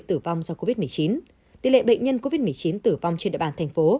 tử vong do covid một mươi chín tỷ lệ bệnh nhân covid một mươi chín tử vong trên địa bàn thành phố